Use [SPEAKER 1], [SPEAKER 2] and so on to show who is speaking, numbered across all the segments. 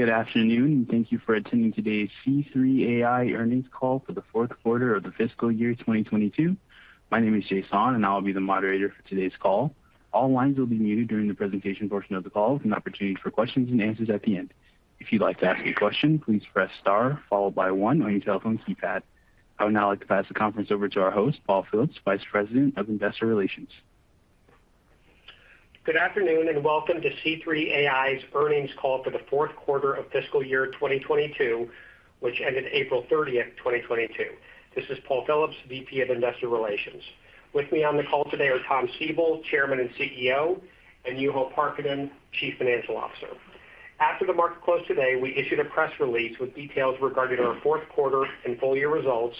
[SPEAKER 1] Good afternoon, and thank you for attending today's C3.ai earnings call for the fourth quarter of the fiscal year 2022. My name is Jason, and I'll be the moderator for today's call. All lines will be muted during the presentation portion of the call with an opportunity for questions and answers at the end. If you'd like to ask a question, please press star followed by one on your telephone keypad. I would now like to pass the conference over to our host, Paul Phillips, Vice President of Investor Relations.
[SPEAKER 2] Good afternoon, and welcome to C3.ai's earnings call for the fourth quarter of fiscal year 2022, which ended April 30, 2022. This is Paul Phillips, VP of Investor Relations. With me on the call today are Tom Siebel, Chairman and CEO, and Juho Parkkinen, Chief Financial Officer. After the market closed today, we issued a press release with details regarding our fourth quarter and full year results,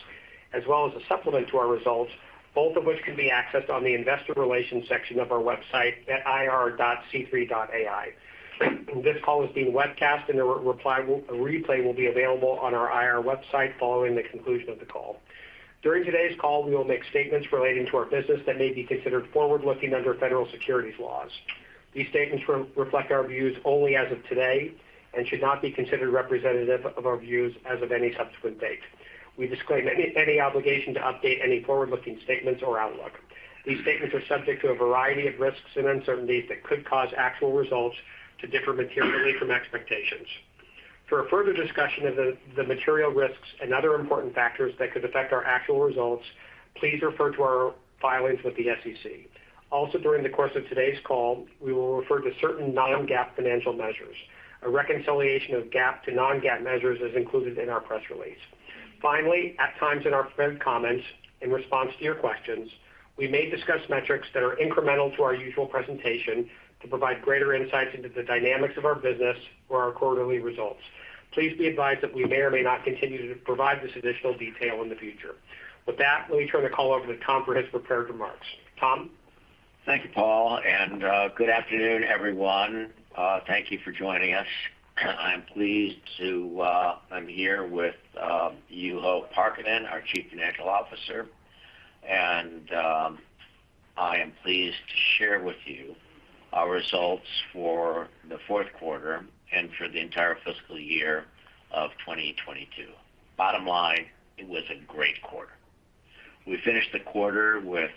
[SPEAKER 2] as well as a supplement to our results, both of which can be accessed on the investor relations section of our website at ir.c3.ai. This call is being webcast and a replay will be available on our IR website following the conclusion of the call. During today's call, we will make statements relating to our business that may be considered forward-looking under federal securities laws. These statements reflect our views only as of today and should not be considered representative of our views as of any subsequent date. We disclaim any obligation to update any forward-looking statements or outlook. These statements are subject to a variety of risks and uncertainties that could cause actual results to differ materially from expectations. For a further discussion of the material risks and other important factors that could affect our actual results, please refer to our filings with the SEC. Also, during the course of today's call, we will refer to certain non-GAAP financial measures. A reconciliation of GAAP to non-GAAP measures is included in our press release. Finally, at times in our prepared comments in response to your questions, we may discuss metrics that are incremental to our usual presentation to provide greater insights into the dynamics of our business or our quarterly results. Please be advised that we may or may not continue to provide this additional detail in the future. With that, let me turn the call over to Tom for his prepared remarks. Tom?
[SPEAKER 3] Thank you, Paul, and good afternoon, everyone. Thank you for joining us. I'm here with Juho Parkkinen, our Chief Financial Officer, and I am pleased to share with you our results for the fourth quarter and for the entire fiscal year of 2022. Bottom line, it was a great quarter. We finished the quarter with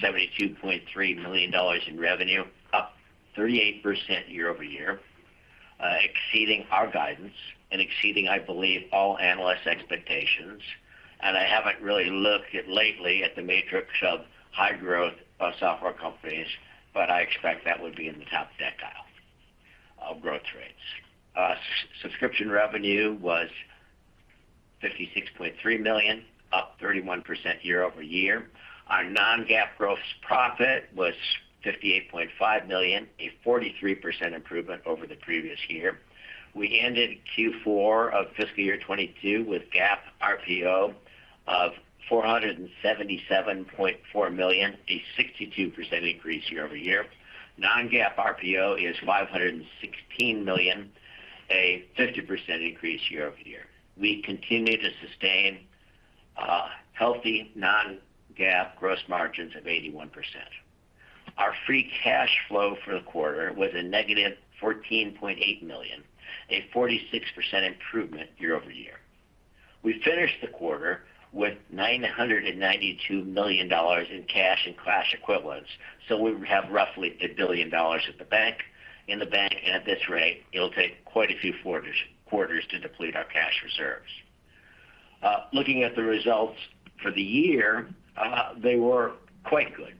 [SPEAKER 3] $72.3 million in revenue, up 38% year over year, exceeding our guidance and exceeding, I believe, all analyst expectations. I haven't really looked lately at the metrics of high growth software companies, but I expect that would be in the top decile of growth rates. Subscription revenue was $56.3 million, up 31% year over year. Our non-GAAP gross profit was $58.5 million, a 43% improvement over the previous year. We ended Q4 of fiscal year 2022 with GAAP RPO of $477.4 million, a 62% increase year-over-year. Non-GAAP RPO is $516 million, a 50% increase year-over-year. We continue to sustain healthy non-GAAP gross margins of 81%. Our free cash flow for the quarter was a negative $14.8 million, a 46% improvement year-over-year. We finished the quarter with $992 million in cash and cash equivalents, so we have roughly $1 billion in the bank, and at this rate, it'll take quite a few quarters to deplete our cash reserves. Looking at the results for the year, they were quite good,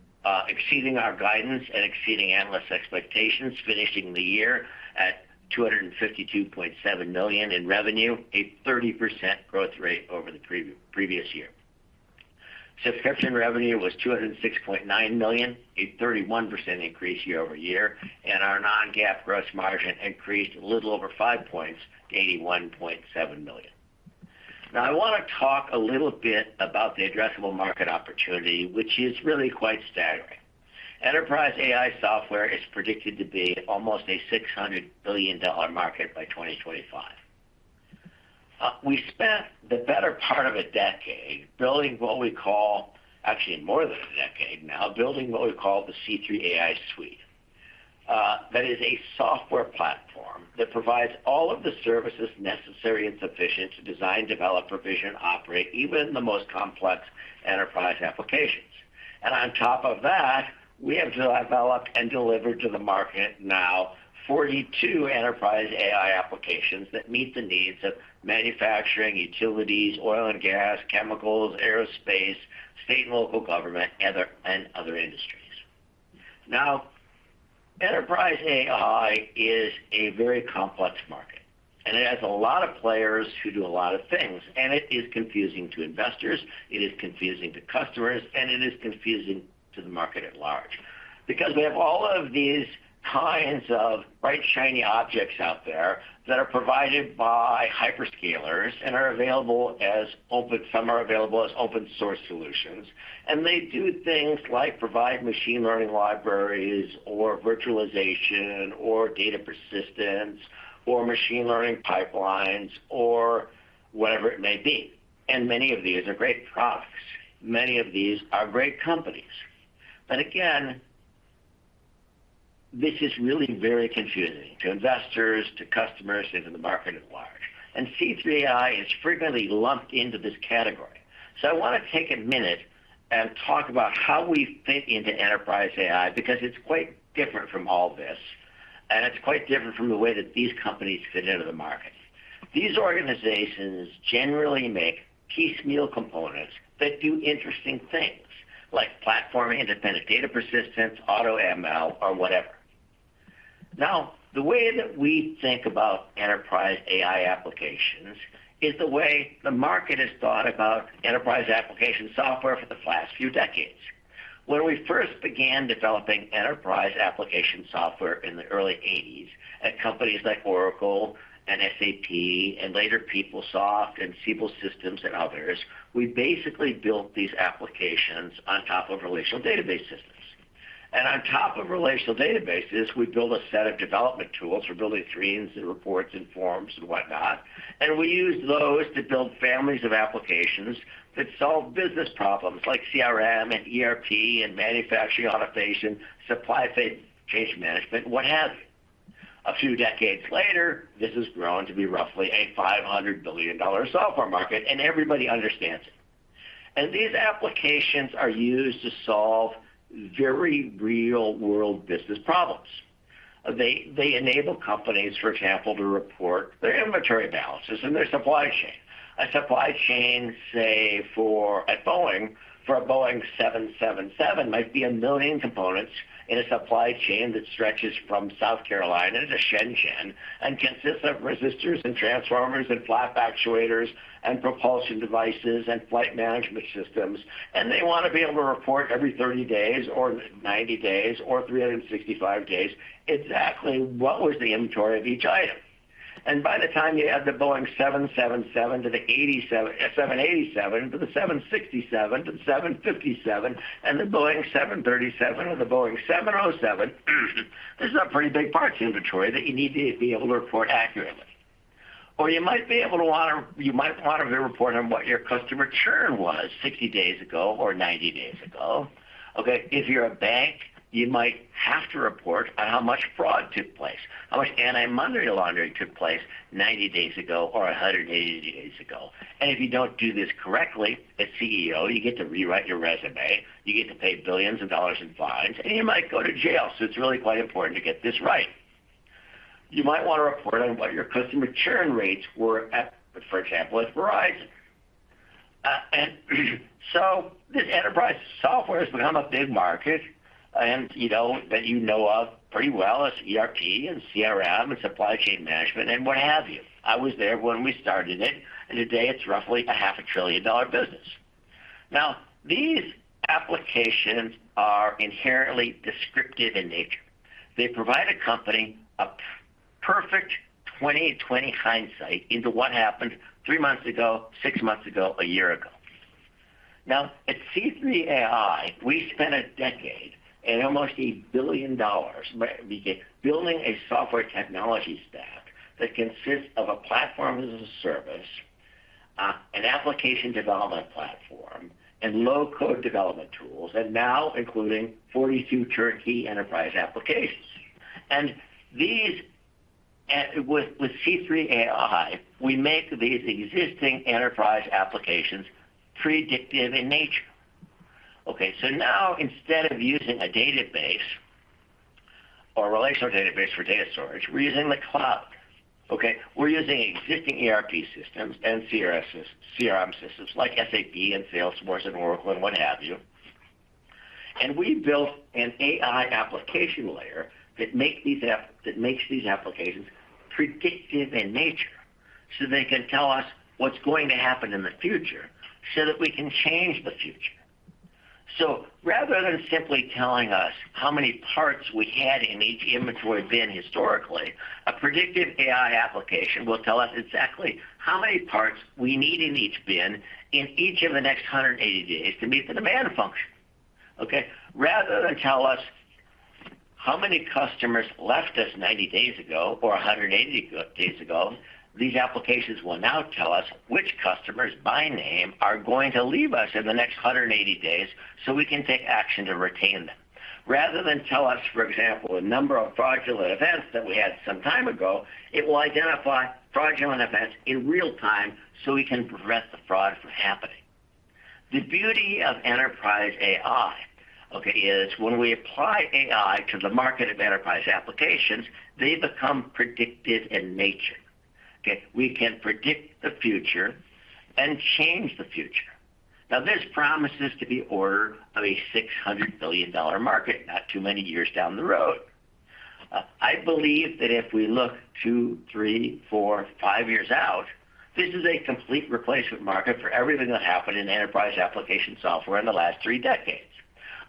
[SPEAKER 3] exceeding our guidance and exceeding analyst expectations, finishing the year at $252.7 million in revenue, a 30% growth rate over the previous year. Subscription revenue was $206.9 million, a 31% increase year-over-year, and our non-GAAP gross margin increased a little over five points to 81.7%. Now, I want to talk a little bit about the addressable market opportunity, which is really quite staggering. Enterprise AI software is predicted to be almost a $600 billion market by 2025. We spent the better part of a decade building what we call actually more than a decade now, building what we call the C3.ai Suite. That is a software platform that provides all of the services necessary and sufficient to design, develop, provision, operate even the most complex enterprise applications. On top of that, we have developed and delivered to the market now 42 enterprise AI applications that meet the needs of manufacturing, utilities, oil and gas, chemicals, aerospace, state and local government, other industries. Now, enterprise AI is a very complex market, and it has a lot of players who do a lot of things, and it is confusing to investors, it is confusing to customers, and it is confusing to the market at large. Because we have all of these kinds of bright, shiny objects out there that are provided by hyperscalers and are available as open source solutions. They do things like provide machine learning libraries or virtualization or data persistence or machine learning pipelines or whatever it may be. Many of these are great products. Many of these are great companies. Again, this is really very confusing to investors, to customers, and to the market at large. C3.ai is frequently lumped into this category. I wanna take a minute and talk about how we fit into enterprise AI, because it's quite different from all this, and it's quite different from the way that these companies fit into the market. These organizations generally make piecemeal components that do interesting things like platform-independent data persistence, AutoML, or whatever. Now, the way that we think about enterprise AI applications is the way the market has thought about enterprise application software for the last few decades. When we first began developing enterprise application software in the early eighties at companies like Oracle and SAP and later PeopleSoft and Siebel Systems and others, we basically built these applications on top of relational database systems. On top of relational databases, we built a set of development tools for building screens and reports and forms and whatnot, and we used those to build families of applications that solve business problems like CRM and ERP and manufacturing automation, supply chain management, what have you. A few decades later, this has grown to be roughly a $500 billion software market, and everybody understands it. These applications are used to solve very real-world business problems. They enable companies, for example, to report their inventory balances and their supply chain. A supply chain, say, for a Boeing, for a Boeing 777 might be 1 million components in a supply chain that stretches from South Carolina to Shenzhen and consists of resistors and transformers and flap actuators and propulsion devices and flight management systems. They wanna be able to report every 30 days or 90 days or 365 days exactly what was the inventory of each item. By the time you add the Boeing 777 to the 787 to the 767 to the 757 and the Boeing 737 or the Boeing 707, this is a pretty big parts inventory that you need to be able to report accurately. You might want to be reporting on what your customer churn was 60 days ago or 90 days ago. Okay, if you're a bank, you might have to report on how much fraud took place, how much anti-money laundering took place 90 days ago or 180 days ago. If you don't do this correctly, as CEO, you get to rewrite your resume, you get to pay billions of dollars in fines, and you might go to jail. It's really quite important to get this right. You might wanna report on what your customer churn rates were at, for example, at Verizon. This enterprise software has become a big market and, you know, that you know of pretty well as ERP and CRM and supply chain management and what have you. I was there when we started it, and today it's roughly a half a trillion-dollar business. Now, these applications are inherently descriptive in nature. They provide a company a perfect 20/20 hindsight into what happened three months ago, six months ago, a year ago. Now, at C3.ai, we spent a decade and almost $1 billion building a software technology stack that consists of a platform as a service, an application development platform, and low-code development tools, and now including 42 turnkey enterprise applications. These with C3.ai, we make these existing enterprise applications predictive in nature. Okay, now instead of using a database or a relational database for data storage, we're using the cloud. Okay, we're using existing ERP systems and CRM systems like SAP and Salesforce and Oracle and what have you. We built an AI application layer that makes these applications predictive in nature, so they can tell us what's going to happen in the future so that we can change the future. Rather than simply telling us how many parts we had in each inventory bin historically, a predictive AI application will tell us exactly how many parts we need in each bin in each of the next 180 days to meet the demand function, okay? Rather than tell us how many customers left us 90 days ago or a 180 days ago, these applications will now tell us which customers by name are going to leave us in the next 180 days, so we can take action to retain them. Rather than tell us, for example, the number of fraudulent events that we had some time ago, it will identify fraudulent events in real time, so we can prevent the fraud from happening. The beauty of enterprise AI, okay, is when we apply AI to the market of enterprise applications, they become predictive in nature. Okay? We can predict the future and change the future. Now, this promises to be order of a $600 billion market not too many years down the road. I believe that if we look two, three, four, five years out, this is a complete replacement market for everything that happened in enterprise application software in the last three decades.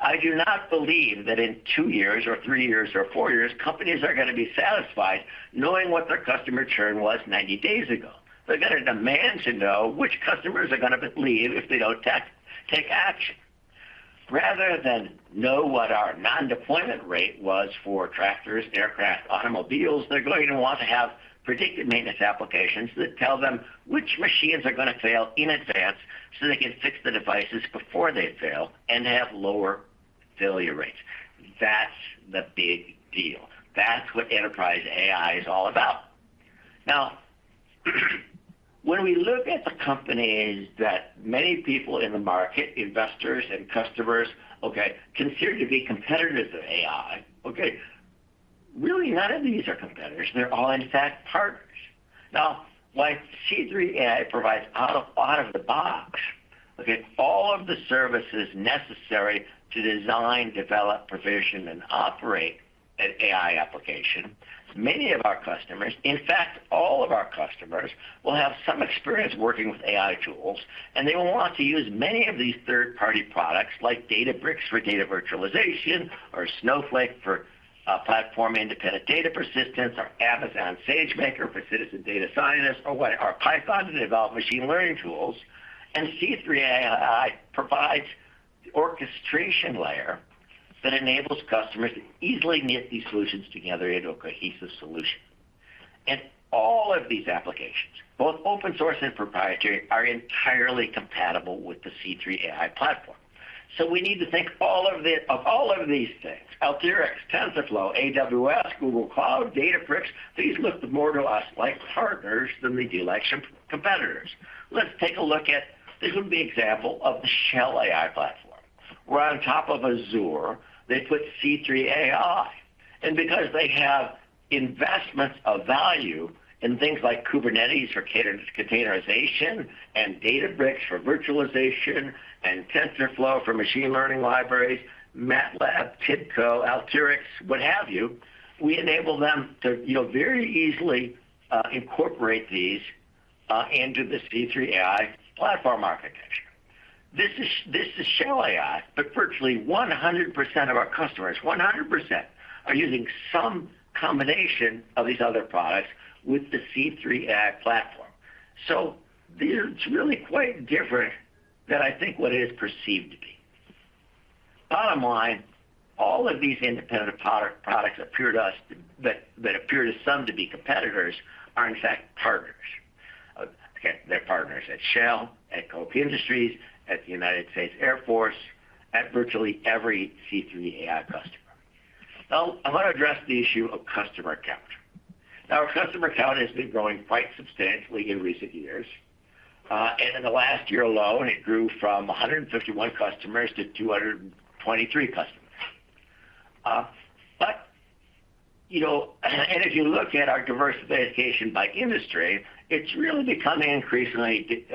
[SPEAKER 3] I do not believe that in two years or three years or four years, companies are gonna be satisfied knowing what their customer churn was 90 days ago. They're gonna demand to know which customers are gonna leave if they don't take action. Rather than know what our non-deployment rate was for tractors, aircraft, automobiles, they're going to want to have predictive maintenance applications that tell them which machines are gonna fail in advance, so they can fix the devices before they fail and have lower failure rates. That's the big deal. That's what enterprise AI is all about. Now, when we look at the companies that many people in the market, investors and customers, okay, consider to be competitors of AI, okay, really, none of these are competitors. They're all in fact partners. Now, like C3.ai provides out of the box, okay, all of the services necessary to design, develop, provision, and operate an AI application. Many of our customers, in fact, all of our customers, will have some experience working with AI tools, and they will want to use many of these third-party products like Databricks for data virtualization or Snowflake for platform-independent data persistence or Amazon SageMaker for citizen data scientists or Python-developed machine learning tools. C3.ai provides the orchestration layer that enables customers to easily knit these solutions together into a cohesive solution. All of these applications, both open source and proprietary, are entirely compatible with the C3.ai platform. We need to think of all of these things. Alteryx, TensorFlow, AWS, Google Cloud, Databricks, these look more to us like partners than they do like some competitors. Let's take a look. This would be example of the Shell.ai platform, where on top of Azure, they put C3.ai. Because they have investments of value in things like Kubernetes for containerization and Databricks for virtualization and TensorFlow for machine learning libraries, MATLAB, TIBCO, Alteryx, what have you, we enable them to, you know, very easily incorporate these into the C3.ai platform architecture. This is Shell.ai, but virtually 100% of our customers, 100%, are using some combination of these other products with the C3.ai platform. It's really quite different than I think what it is perceived to be. Bottom line, all of these independent products that appear to some to be competitors are in fact partners. Okay, they're partners at Shell, at Koch Industries, at the United States Air Force, at virtually every C3.ai customer. Now, I want to address the issue of customer count. Now, our customer count has been growing quite substantially in recent years. In the last year alone, it grew from 151 customers to 223 customers. If you look at our diversification by industry, it's really becoming increasingly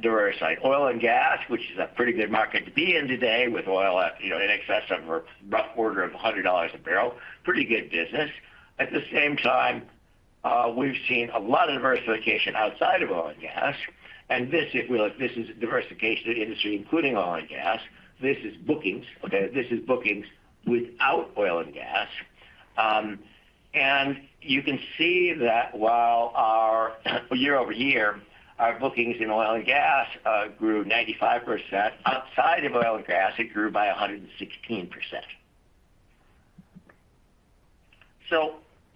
[SPEAKER 3] diverse. Like oil and gas, which is a pretty good market to be in today with oil at, you know, in excess of a rough order of $100 a barrel. Pretty good business. At the same time, we've seen a lot of diversification outside of oil and gas. This, if we look, this is diversification of the industry, including oil and gas. This is bookings, okay. This is bookings without oil and gas. You can see that while our year-over-year, our bookings in oil and gas grew 95%. Outside of oil and gas, it grew by 116%.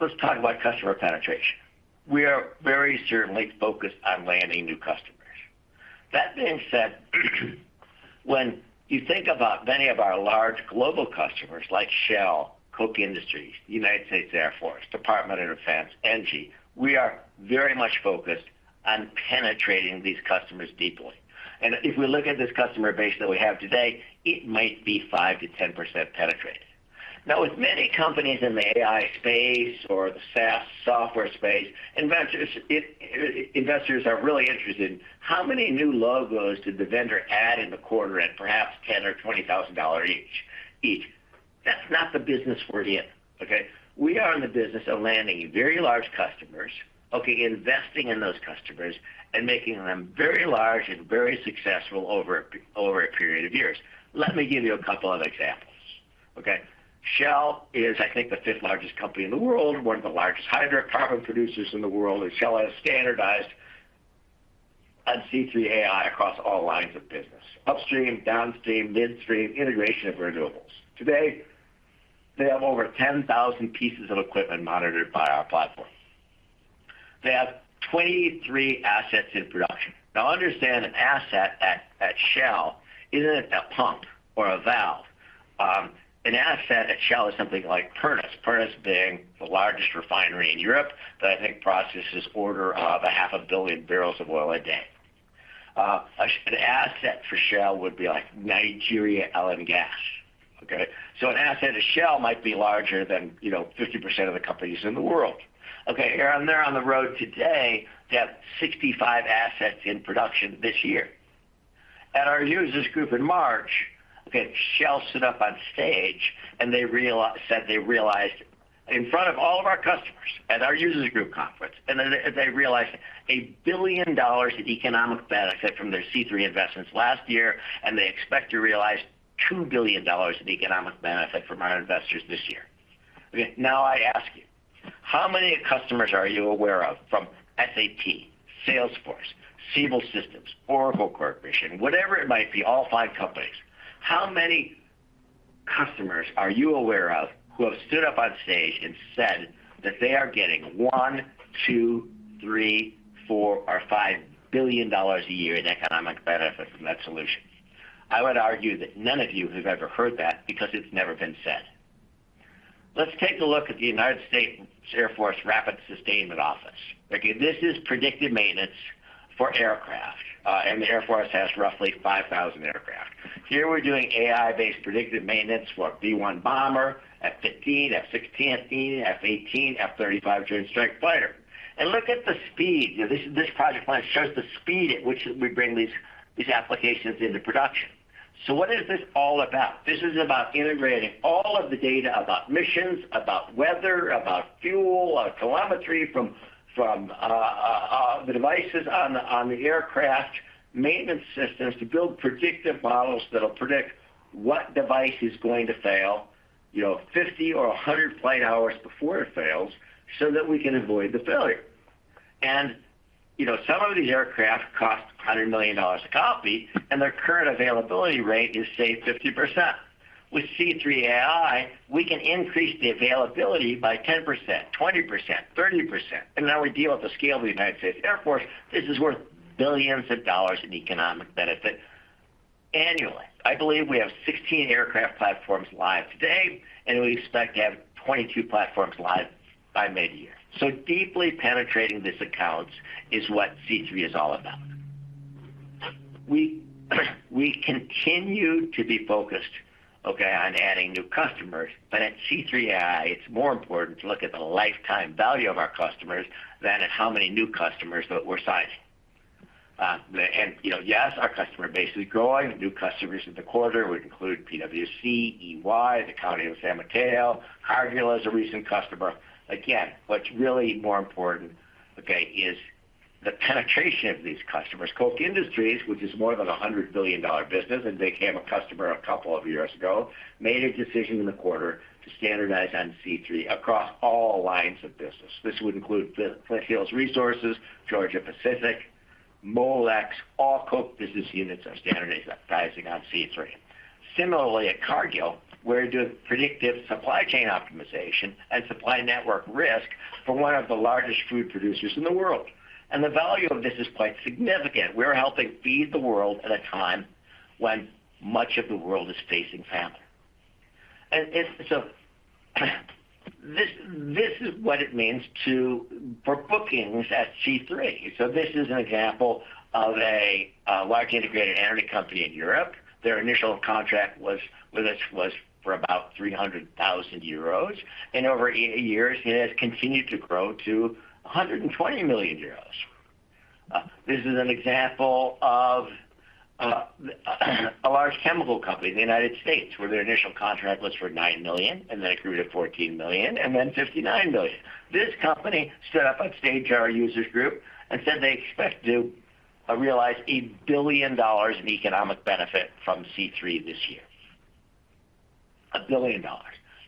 [SPEAKER 3] Let's talk about customer penetration. We are very certainly focused on landing new customers. That being said, when you think about many of our large global customers like Shell, Koch Industries, United States Air Force, Department of Defense, ENGIE, we are very much focused on penetrating these customers deeply. If we look at this customer base that we have today, it might be 5%-10% penetrated. Now, with many companies in the AI space or the SaaS software space, investors are really interested in how many new logos did the vendor add in the quarter at perhaps $10,000 or $20,000 each. That's not the business we're in, okay? We are in the business of landing very large customers, okay, investing in those customers, and making them very large and very successful over a period of years. Let me give you a couple of examples, okay? Shell is, I think, the 5th largest company in the world, one of the largest hydrocarbon producers in the world, and Shell has standardized on C3.ai across all lines of business, upstream, downstream, midstream, integration of renewables. Today, they have over 10,000 pieces of equipment monitored by our platform. They have 23 assets in production. Now understand an asset at Shell isn't a pump or a valve. An asset at Shell is something like Pernis. Pernis being the largest refinery in Europe that I think processes order of 0.5 billion barrels of oil a day. An asset for Shell would be like Nigeria LNG, okay? An asset of Shell might be larger than, you know, 50% of the companies in the world. Okay, they're on the road today. They have 65 assets in production this year. At our users group in March, okay, Shell stood up on stage, and they said they realized in front of all of our customers at our users group conference, and then they realized $1 billion in economic benefit from their C3 investments last year, and they expect to realize $2 billion in economic benefit from our investments this year. Okay, now I ask you, how many customers are you aware of from SAP, Salesforce, Siebel Systems, Oracle Corporation, whatever it might be, all five companies. How many customers are you aware of who have stood up on stage and said that they are getting $1 billion, $2 billion, $3billion, $4 billion, or $5 billion a year in economic benefit from that solution? I would argue that none of you have ever heard that because it's never been said. Let's take a look at the United States Air Force Rapid Sustainment Office. Okay, this is predictive maintenance for aircraft, and the Air Force has roughly 5,000 aircraft. Here we're doing AI-based predictive maintenance for B-1 bomber, F-15, F-16, F-18, F-35 Joint Strike Fighter. Look at the speed. You know, this project plan shows the speed at which we bring these applications into production. What is this all about? This is about integrating all of the data about missions, about weather, about fuel, telemetry from the devices on the aircraft, maintenance systems to build predictive models that'll predict what device is going to fail, you know, 50 or 100 flight hours before it fails, so that we can avoid the failure. You know, some of these aircraft cost $100 million a copy, and their current availability rate is, say, 50%. With C3.ai, we can increase the availability by 10%, 20%, 30%, and now we deal with the scale of the United States Air Force, this is worth $ billions in economic benefit annually. I believe we have 16 aircraft platforms live today, and we expect to have 22 platforms live by mid-year. Deeply penetrating these accounts is what C3.ai is all about. We continue to be focused, okay, on adding new customers. At C3.ai, it's more important to look at the lifetime value of our customers than at how many new customers that we're signing. You know, yes, our customer base is growing. The new customers in the quarter would include PwC, EY, the County of San Mateo. Cargill is a recent customer. Again, what's really more important, okay, is the penetration of these customers. Koch Industries, which is more than a $100 billion business and became a customer a couple of years ago, made a decision in the quarter to standardize on C3.ai across all lines of business. This would include Flint Hills Resources, Georgia-Pacific, Molex. All Koch business units are standardizing on C3.ai. Similarly, at Cargill, we're doing predictive supply chain optimization and supply network risk for one of the largest food producers in the world. The value of this is quite significant. We're helping feed the world at a time when much of the world is facing famine. This is what it means for bookings at C3.ai. This is an example of a large integrated energy company in Europe. Their initial contract with us was for about 300,000 euros. Over 8 years, it has continued to grow to 120 million euros. This is an example of a large chemical company in the United States where their initial contract was for $9 million, and then it grew to $14 million, and then $59 million. This company stood up on stage at our users group and said they expect to realize $1 billion in economic benefit from C3.ai this year. $1 billion.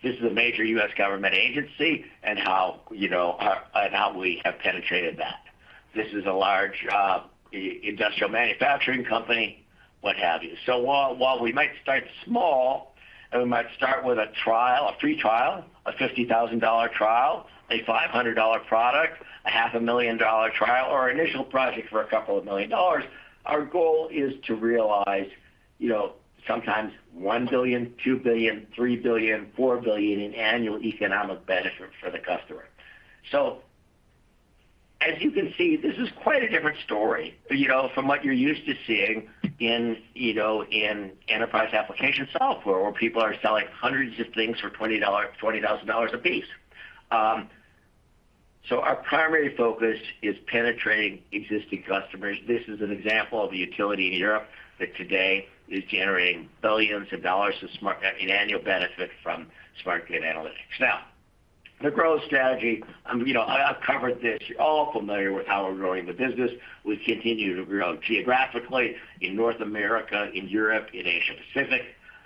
[SPEAKER 3] This is a major U.S. government agency and how, you know, and how we have penetrated that. This is a large, industrial manufacturing company, what have you. While we might start small, and we might start with a trial, a free trial, a $50,000 trial, a $500 product, a half a million dollar trial, or initial project for a couple of million dollars, our goal is to realize, you know, sometimes $1 billion, $2 billion, $3 billion, $4 billion in annual economic benefit for the customer. As you can see, this is quite a different story, you know, from what you're used to seeing in, you know, in enterprise application software, where people are selling hundreds of things for $20,000 apiece. Our primary focus is penetrating existing customers. This is an example of a utility in Europe that today is generating $ billions in annual benefit from smart grid analytics. Now, the growth strategy, you know, I've covered this. You're all familiar with how we're growing the business. We continue to grow geographically in North America, in Europe, in Asia Pacific.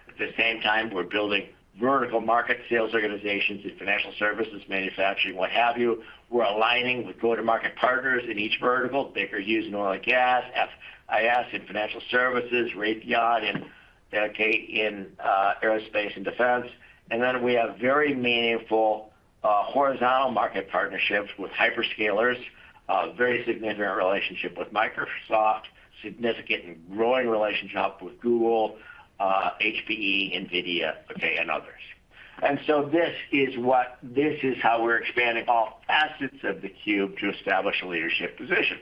[SPEAKER 3] At the same time, we're building vertical market sales organizations in financial services, manufacturing, what have you. We're aligning with go-to-market partners in each vertical, Baker Hughes in oil and gas, FIS in financial services, Raytheon in aerospace and defense. We have very meaningful horizontal market partnerships with hyperscalers, very significant relationship with Microsoft, significant and growing relationship with Google, HPE, NVIDIA, and others. This is how we're expanding all facets of theCUBE to establish a leadership position.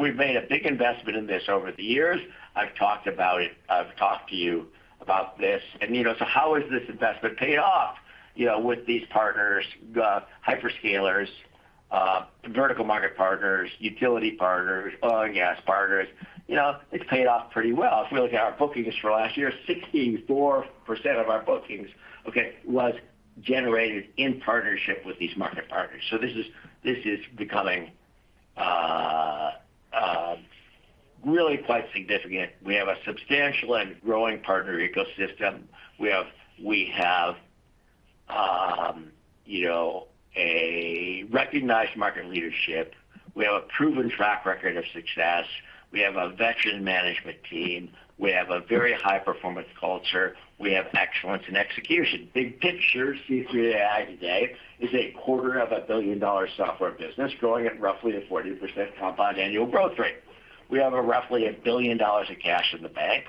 [SPEAKER 3] We've made a big investment in this over the years. I've talked about it. I've talked to you about this. You know, how has this investment paid off, you know, with these partners, hyperscalers, vertical market partners, utility partners, oil and gas partners? You know, it's paid off pretty well. If we look at our bookings for last year, 64% of our bookings, okay, was generated in partnership with these market partners. This is becoming really quite significant. We have a substantial and growing partner ecosystem. We have, you know, a recognized market leadership. We have a proven track record of success. We have a veteran management team. We have a very high-performance culture. We have excellence in execution. Big picture, C3.ai today is a quarter of a billion dollar software business growing at roughly a 40% compound annual growth rate. We have roughly $1 billion of cash in the bank,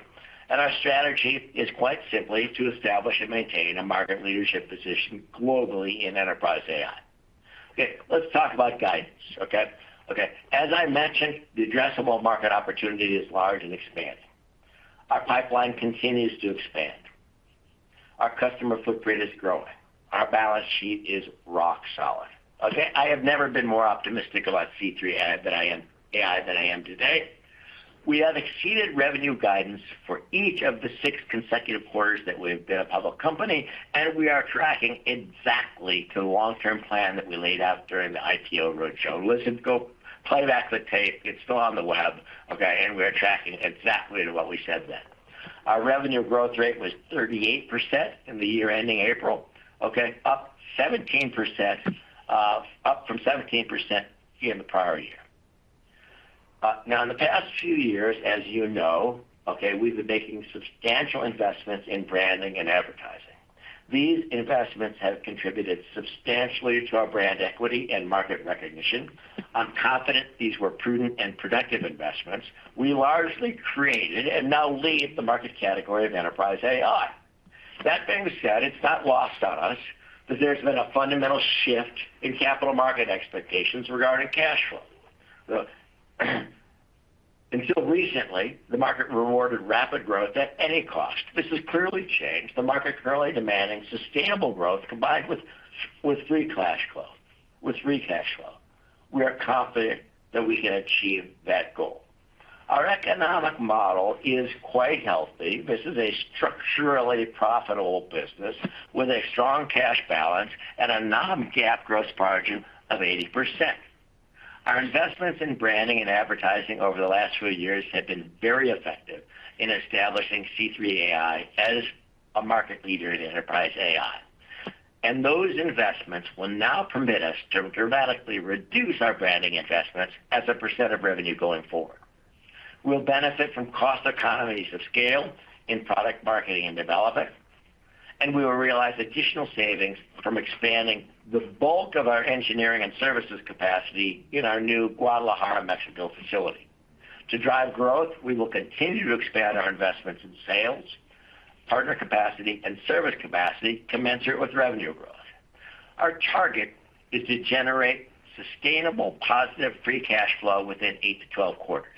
[SPEAKER 3] and our strategy is quite simply to establish and maintain a market leadership position globally in enterprise AI. Okay, let's talk about guidance, okay? Okay. As I mentioned, the addressable market opportunity is large and expanding. Our pipeline continues to expand. Our customer footprint is growing. Our balance sheet is rock solid. I have never been more optimistic about C3.ai than I am today. We have exceeded revenue guidance for each of the six consecutive quarters that we've been a public company, and we are tracking exactly to the long-term plan that we laid out during the IPO roadshow. Listen, go play back the tape. It's still on the web. We are tracking exactly to what we said then. Our revenue growth rate was 38% in the year ending April, up 17% from 17% in the prior year. Now in the past few years, as you know, we've been making substantial investments in branding and advertising. These investments have contributed substantially to our brand equity and market recognition. I'm confident these were prudent and productive investments. We largely created and now lead the market category of enterprise AI. That being said, it's not lost on us that there's been a fundamental shift in capital market expectations regarding cash flow. Look, until recently, the market rewarded rapid growth at any cost. This has clearly changed. The market is currently demanding sustainable growth combined with free cash flow. We are confident that we can achieve that goal. Our economic model is quite healthy. This is a structurally profitable business with a strong cash balance and a non-GAAP gross margin of 80%. Our investments in branding and advertising over the last few years have been very effective in establishing C3.ai as a market leader in enterprise AI. Those investments will now permit us to dramatically reduce our branding investments as a percent of revenue going forward. We'll benefit from cost economies of scale in product marketing and development, and we will realize additional savings from expanding the bulk of our engineering and services capacity in our new Guadalajara, Mexico, facility. To drive growth, we will continue to expand our investments in sales, partner capacity, and service capacity commensurate with revenue growth. Our target is to generate sustainable positive free cash flow within eight to 12 quarters.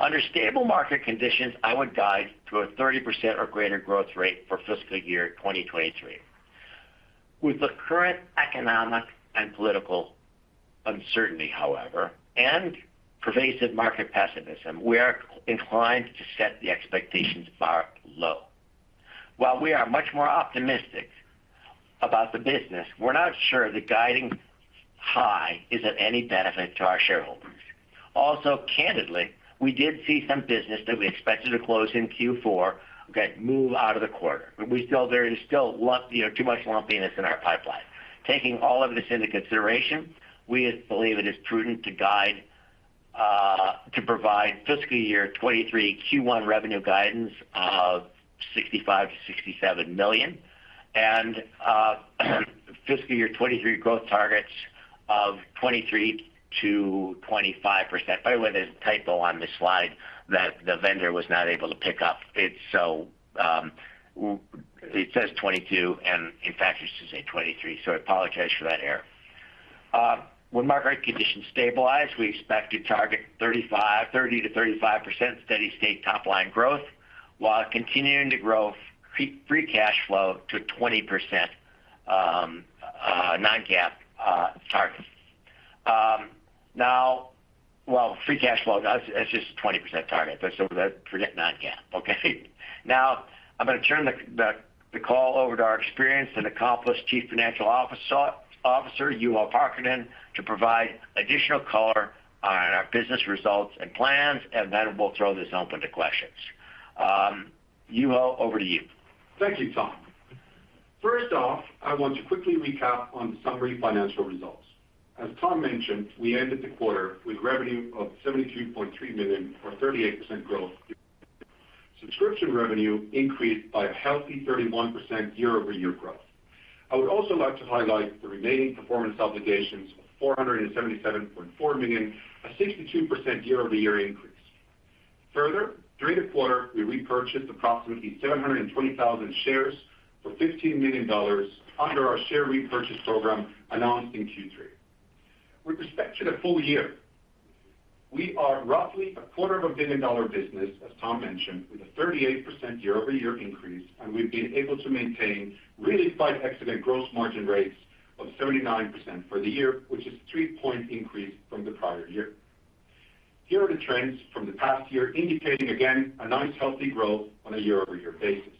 [SPEAKER 3] Under stable market conditions, I would guide to a 30% or greater growth rate for fiscal year 2023. With the current economic and political uncertainty, however, and pervasive market pessimism, we are inclined to set the expectations bar low. While we are much more optimistic about the business, we're not sure that guiding high is of any benefit to our shareholders. Also, candidly, we did see some business that we expected to close in Q4, okay, move out of the quarter. There is still lump, you know, too much lumpiness in our pipeline. Taking all of this into consideration, we believe it is prudent to guide to provide fiscal year 2023 Q1 revenue guidance of $65 million-$67 million. Fiscal year 2023 growth targets of 23%-25%. By the way, there's a typo on this slide that the vendor was not able to pick up. It's so. It says 22, and in fact, it should say 23, so I apologize for that error. When market conditions stabilize, we expect to target 30%-35% steady-state top-line growth while continuing to grow free cash flow to 20%, non-GAAP targets. Free cash flow, that's just a 20% target. That's for net non-GAAP, okay? Now, I'm gonna turn the call over to our experienced and accomplished Chief Financial Officer, Juho Parkkinen, to provide additional color on our business results and plans, and then we'll throw this open to questions. Juho, over to you.
[SPEAKER 4] Thank you, Tom. First off, I want to quickly recap on the summary financial results. As Tom mentioned, we ended the quarter with revenue of $73.3 million or 38% growth. Subscription revenue increased by a healthy 31% year-over-year growth. I would also like to highlight the remaining performance obligations of $477.4 million, a 62% year-over-year increase. Further, during the quarter, we repurchased approximately 720,000 shares for $15 million under our share repurchase program announced in Q3. With respect to the full year, we are roughly a quarter of a billion-dollar business, as Tom mentioned, with a 38% year-over-year increase, and we've been able to maintain really quite excellent gross margin rates of 39% for the year, which is a three-point increase from the prior year. Here are the trends from the past year indicating, again, a nice healthy growth on a year-over-year basis.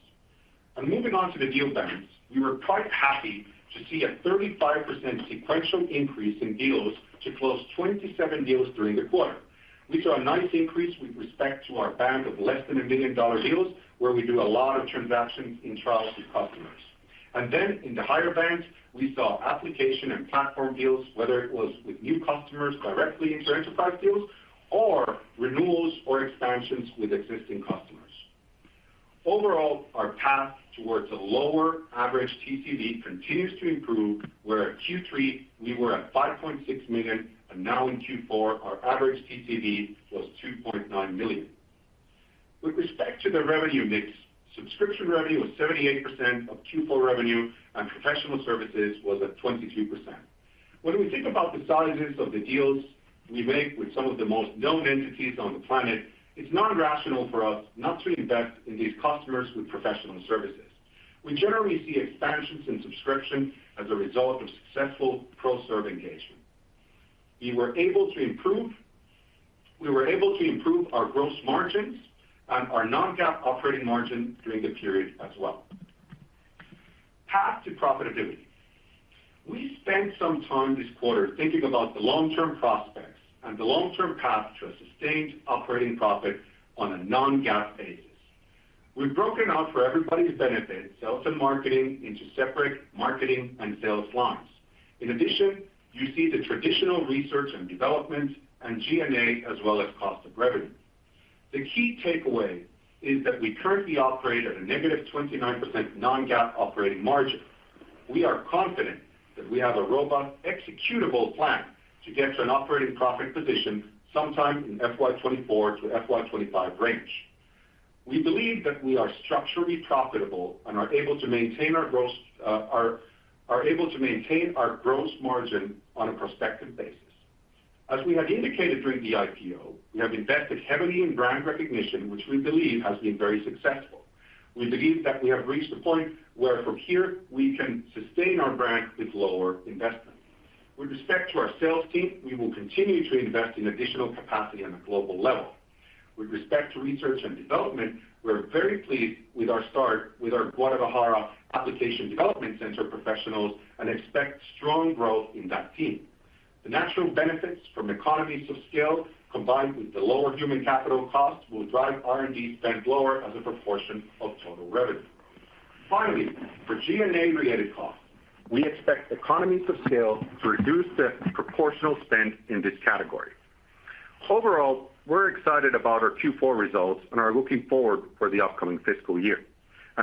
[SPEAKER 4] Moving on to the deal balance, we were quite happy to see a 35% sequential increase in deals to close 27 deals during the quarter. We saw a nice increase with respect to our band of less than $1 million deals where we do a lot of transactions in trials with customers. In the higher bands, we saw application and platform deals, whether it was with new customers directly into enterprise deals or renewals or expansions with existing customers. Overall, our path towards a lower average TCV continues to improve, where at Q3 we were at $5.6 million and now in Q4 our average TCV was $2.9 million. With respect to the revenue mix, subscription revenue was 78% of Q4 revenue and professional services was at 22%. When we think about the sizes of the deals we make with some of the most known entities on the planet, it's non-rational for us not to invest in these customers with professional services. We generally see expansions in subscription as a result of successful pro serve engagement. We were able to improve our gross margins and our non-GAAP operating margin during the period as well. Path to profitability. We spent some time this quarter thinking about the long-term prospects and the long-term path to a sustained operating profit on a non-GAAP basis. We've broken out for everybody's benefit, sales and marketing into separate marketing and sales lines. In addition, you see the traditional research and development and G&A as well as cost of revenue. The key takeaway is that we currently operate at a negative 29% non-GAAP operating margin. We are confident that we have a robust executable plan to get to an operating profit position sometime in FY 2024 to FY 2025 range. We believe that we are structurally profitable and are able to maintain our gross margin on a prospective basis. As we have indicated during the IPO, we have invested heavily in brand recognition, which we believe has been very successful. We believe that we have reached a point where from here we can sustain our brand with lower investment. With respect to our sales team, we will continue to invest in additional capacity on a global level. With respect to research and development, we're very pleased with our start with our Guadalajara Application Development Center professionals and expect strong growth in that team. The natural benefits from economies of scale, combined with the lower human capital costs, will drive R&D spend lower as a proportion of total revenue. Finally, for G&A related costs, we expect economies of scale to reduce the proportional spend in this category. Overall, we're excited about our Q4 results and are looking forward for the upcoming fiscal year.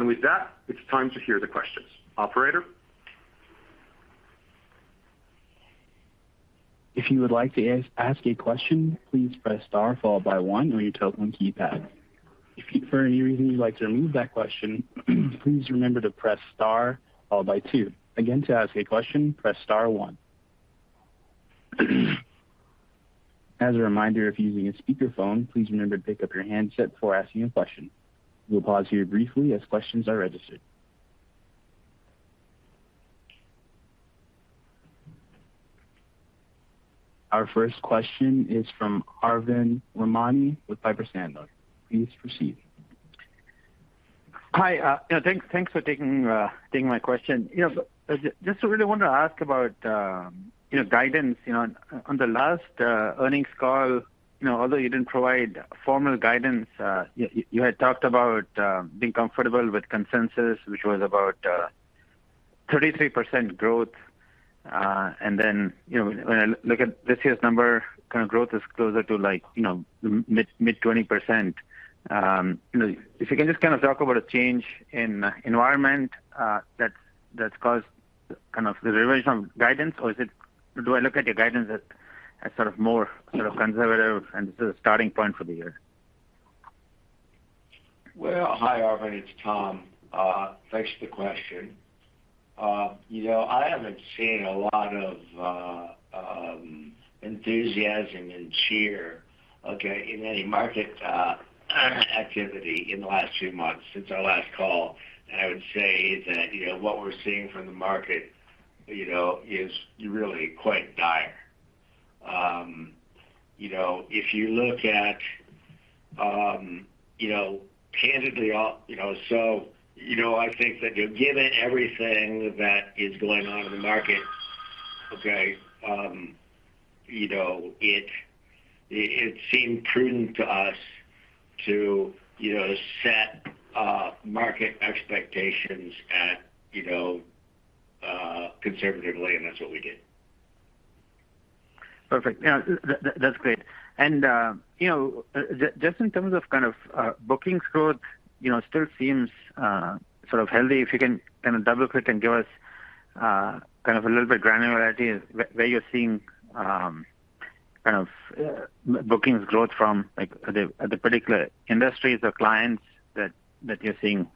[SPEAKER 4] With that, it's time to hear the questions. Operator?
[SPEAKER 1] If you would like to ask a question, please press star followed by one on your telephone keypad. If for any reason you'd like to remove that question, please remember to press star followed by two. Again, to ask a question, press star one. As a reminder, if you're using a speakerphone, please remember to pick up your handset before asking a question. We'll pause here briefly as questions are registered. Our first question is from Arvind Ramnani with Piper Sandler. Please proceed.
[SPEAKER 5] Hi, you know, thanks for taking my question. You know, just really wanted to ask about, you know, guidance. You know, on the last earnings call, you know, although you didn't provide formal guidance, you had talked about being comfortable with consensus, which was about 33% growth. You know, when I look at this year's number, kind of growth is closer to like, you know, mid-20%. You know, if you can just kind of talk about a change in environment that's caused kind of the revision of guidance or is it, do I look at your guidance as sort of more sort of conservative and this is a starting point for the year?
[SPEAKER 3] Well, hi, Arvind, it's Tom. Thanks for the question. You know, I haven't seen a lot of enthusiasm and cheer, okay, in any market activity in the last few months since our last call. I would say that, you know, what we're seeing from the market, you know, is really quite dire. You know, I think that given everything that is going on in the market, okay, you know, it seemed prudent to us to, you know, set market expectations at, you know, conservatively, and that's what we did.
[SPEAKER 5] Perfect. Yeah, that's great. You know, just in terms of kind of bookings growth, you know, still seems sort of healthy. If you can kind of double-click and give us kind of a little bit granularity where you're seeing kind of bookings growth from like the particular industries or clients that you're seeing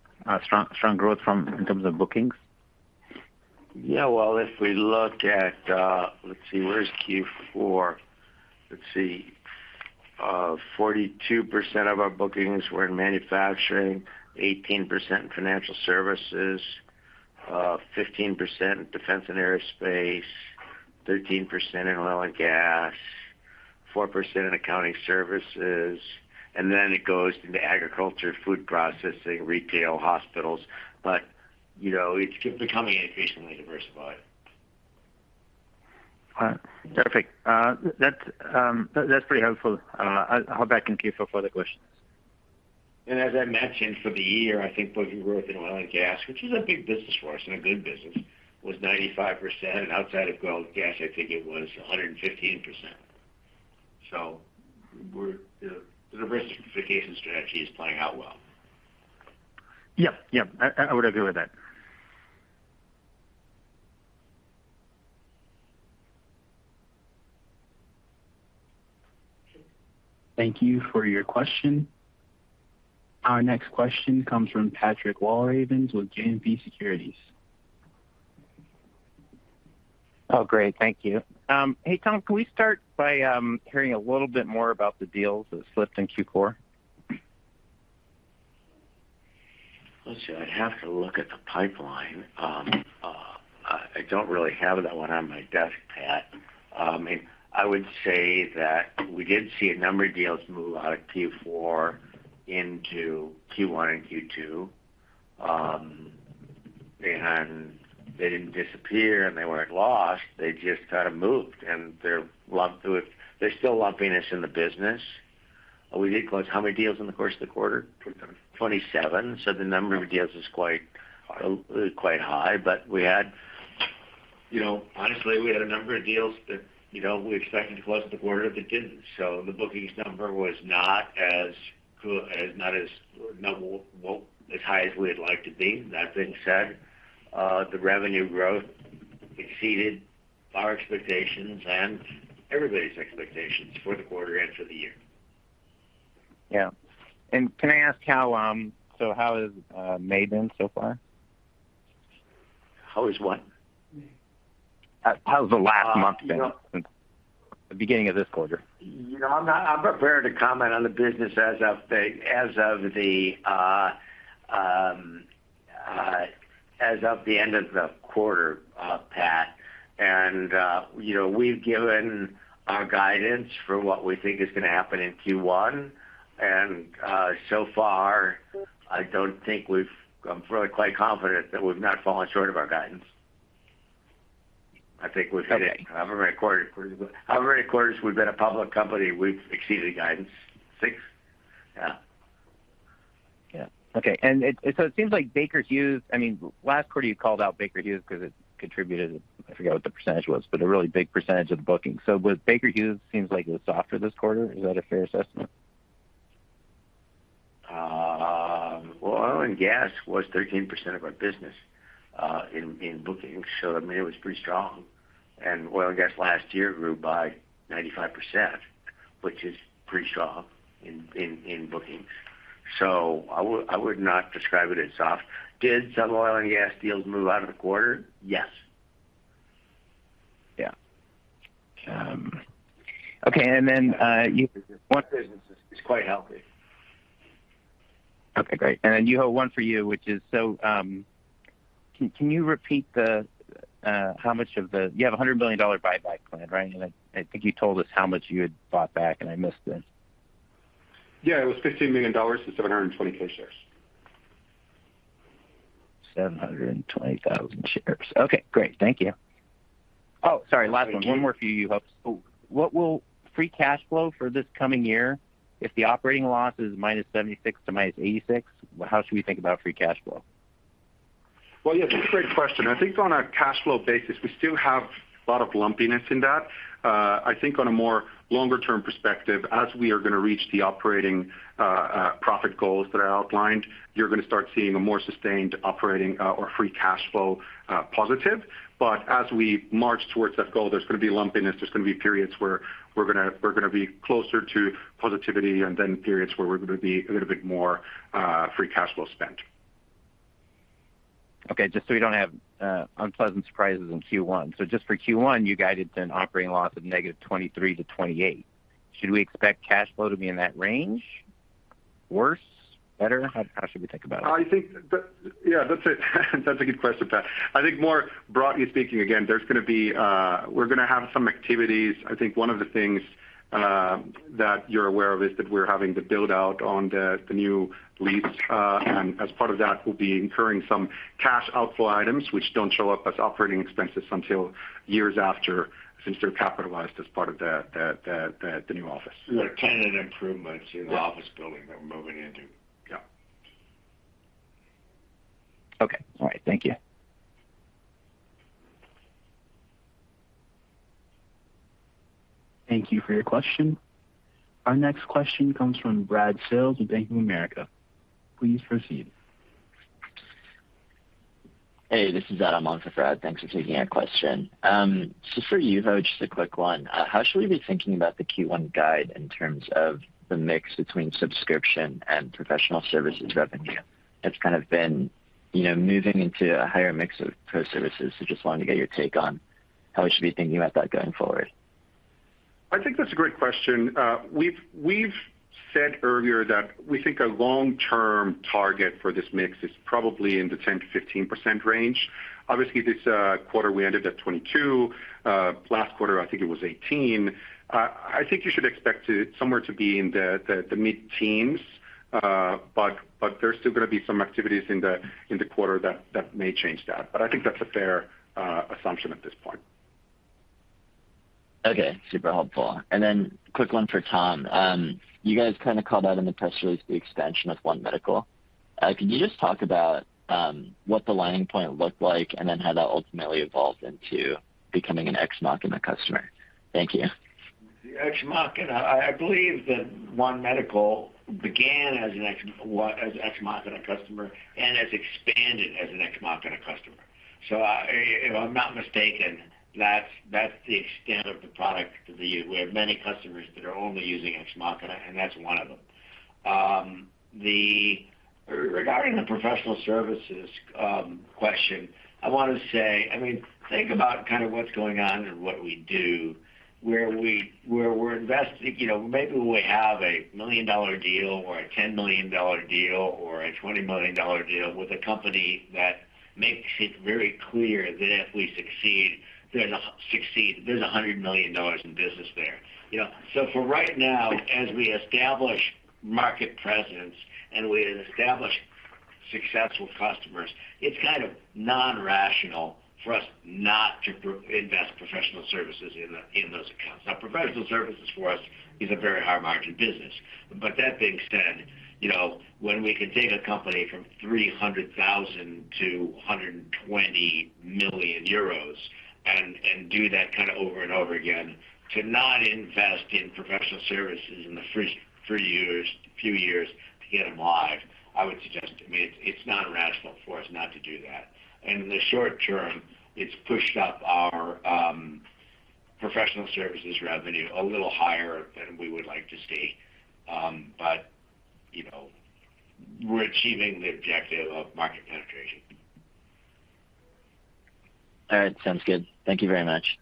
[SPEAKER 5] strong growth from in terms of bookings.
[SPEAKER 3] Yeah. Well, if we look at, let's see, where's Q4? Let's see. 42% of our bookings were in Manufacturing, 18% in Financial Services, 15% in Defense and Aerospace, 13% in Oil and Gas, 4% in Accounting Services, and then it goes into agriculture, food processing, retail, hospitals. You know, it's becoming increasingly diversified.
[SPEAKER 5] All right. Perfect. That's pretty helpful. I don't know. I'll hop back in queue for further questions.
[SPEAKER 3] As I mentioned, for the year, I think booking growth in oil and gas, which is a big business for us and a good business, was 95%. Outside of oil and gas, I think it was 115%. The diversification strategy is playing out well.
[SPEAKER 4] Yep. I would agree with that.
[SPEAKER 1] Thank you for your question. Our next question comes from Patrick Walravens with JMP Securities.
[SPEAKER 6] Oh, great. Thank you. Hey, Tom, can we start by hearing a little bit more about the deals that slipped in Q4?
[SPEAKER 3] Let's see. I'd have to look at the pipeline. I don't really have that one on my desk, Pat. I would say that we did see a number of deals move out of Q4 into Q1 and Q2. They didn't disappear, and they weren't lost. They just kinda moved, and they're lumped to it. There's still lumpiness in the business. We did close how many deals in the course of the quarter?
[SPEAKER 4] 27.
[SPEAKER 3] 27. The number of deals is quite-
[SPEAKER 4] High
[SPEAKER 3] Quite high. We had, you know, honestly, we had a number of deals that, you know, we expected to close at the quarter but didn't. The bookings number was not as high as we'd like to be. That being said, the revenue growth exceeded our expectations and everybody's expectations for the quarter end of the year.
[SPEAKER 6] Yeah. Can I ask how May has been so far?
[SPEAKER 3] How is what?
[SPEAKER 6] How's the last month been since the beginning of this quarter?
[SPEAKER 3] You know, I'm not prepared to comment on the business as of the end of the quarter, Pat. You know, we've given our guidance for what we think is gonna happen in Q1. So far, I don't think I'm really quite confident that we've not fallen short of our guidance. I think we've hit it.
[SPEAKER 6] Okay.
[SPEAKER 3] However many quarters we've been a public company, we've exceeded guidance. Six? Yeah.
[SPEAKER 6] Yeah. Okay. It seems like Baker Hughes, I mean, last quarter you called out Baker Hughes 'cause it contributed, I forget what the percentage was, but a really big percentage of the booking. With Baker Hughes, it seems like it was softer this quarter. Is that a fair assessment?
[SPEAKER 3] Well, oil and gas was 13% of our business in bookings, so I mean, it was pretty strong. Oil and gas last year grew by 95%, which is pretty strong in bookings. I would not describe it as soft. Did some oil and gas deals move out of the quarter? Yes.
[SPEAKER 6] Yeah. Okay.
[SPEAKER 3] It's quite healthy.
[SPEAKER 6] Okay, great. Juho, one for you, which is so, can you repeat the how much of the. You have a $100 million buyback plan, right? I think you told us how much you had bought back, and I missed it.
[SPEAKER 4] Yeah. It was $15 million to 720 shares.
[SPEAKER 6] 720,000 shares. Okay, great. Thank you. Oh, sorry. Last one. One more for you, Juho. What will free cash flow for this coming year if the operating loss is -$76 to -$86, how should we think about free cash flow?
[SPEAKER 4] Well, yeah, that's a great question. I think on a cash flow basis, we still have a lot of lumpiness in that. I think on a more longer term perspective, as we are gonna reach the operating profit goals that are outlined, you're gonna start seeing a more sustained operating or free cash flow positive. As we march towards that goal, there's gonna be lumpiness. There's gonna be periods where we're gonna be closer to positivity and then periods where we're gonna be a little bit more free cash flow spent.
[SPEAKER 6] Okay. Just so we don't have unpleasant surprises in Q1. Just for Q1, you guided an operating loss of -$23 to -$28. Should we expect cash flow to be in that range? Worse? Better? How should we think about it?
[SPEAKER 4] I think that's a good question, Pat. I think more broadly speaking again, there's gonna be, we're gonna have some activities. I think one of the things that you're aware of is that we're having to build out on the new lease. As part of that, we'll be incurring some cash outflow items, which don't show up as operating expenses until years after, since they're capitalized as part of the new office.
[SPEAKER 3] The tenant improvements.
[SPEAKER 4] Yeah
[SPEAKER 3] In the office building that we're moving into. Yeah.
[SPEAKER 6] Okay. All right. Thank you.
[SPEAKER 1] Thank you for your question. Our next question comes from Brad Sills with Bank of America. Please proceed.
[SPEAKER 7] Hey, this is Adam on for Brad. Thanks for taking our question. So for you, Juho, just a quick one. How should we be thinking about the Q1 guide in terms of the mix between subscription and professional services revenue? It's kind of been, you know, moving into a higher mix of pro services, so just wanted to get your take on how we should be thinking about that going forward.
[SPEAKER 4] I think that's a great question. We've said earlier that we think a long-term target for this mix is probably in the 10%-15% range. Obviously, this quarter, we ended at 22%. Last quarter, I think it was 18%. I think you should expect to be somewhere in the mid-teens, but there's still gonna be some activities in the quarter that may change that. I think that's a fair assumption at this point.
[SPEAKER 7] Okay. Super helpful. Quick one for Tom. You guys kinda called out in the press release the expansion of One Medical. Can you just talk about what the starting point looked like and then how that ultimately evolved into becoming an Ex Machina customer? Thank you.
[SPEAKER 3] Ex Machina, I believe that One Medical began as an Ex Machina customer and has expanded as an Ex Machina customer. If I'm not mistaken, that's the extent of the product. We have many customers that are only using Ex Machina, and that's one of them. Regarding the professional services question, I wanna say, I mean, think about kind of what's going on and what we do, where we're investing. You know, maybe we have a $1 million deal or a $10 million deal or a $20 million deal with a company that makes it very clear that if we succeed, there's a $100 million in business there. You know, for right now, as we establish market presence and we establish successful customers, it's kind of irrational for us not to invest professional services in those accounts. Now, professional services for us is a very high margin business. But that being said, you know, when we can take a company from 300,000 to 120 million euros and do that kinda over and over again, to not invest in professional services in the first three years, few years to get them live, I would suggest to me it's irrational for us not to do that. In the short term, it's pushed up our professional services revenue a little higher than we would like to see, but you know, we're achieving the objective of market penetration.
[SPEAKER 7] All right. Sounds good. Thank you very much.